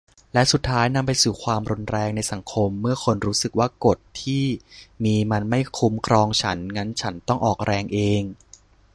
และสุดท้ายนำไปสู่ความรุนแรงในสังคม เมื่อคนรู้สึกว่ากฎที่มีมันไม่คุ้มครองฉัน งั้นฉันต้องออกแรงเอง